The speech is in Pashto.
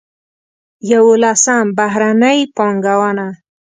یولسم: بهرنۍ پانګونه.